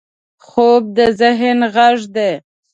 خوب د ذهن غږ دی